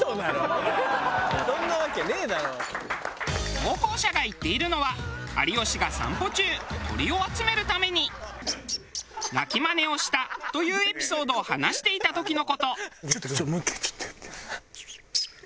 投稿者が言っているのは有吉が散歩中鳥を集めるために鳴きマネをしたというエピソードを話していた時の事。